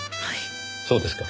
そうですか。